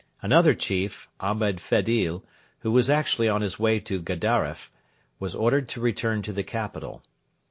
Another chief, Ahmed Fedil, who was actually on his way to Gedaref, was ordered to return to the capital.